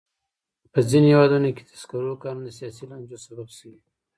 په ځینو هېوادونو کې د سکرو کانونه د سیاسي لانجو سبب شوي.